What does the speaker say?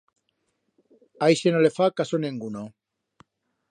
A ixe no le fa caso nenguno.